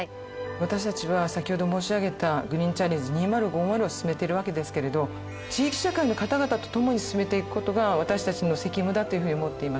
私たちは先ほど申し上げた「ＧＲＥＥＮＣＨＡＬＬＥＮＧＥ２０５０」を進めているわけですけれど地域社会の方々と共に進めていく事が私たちの責務だというふうに思っています。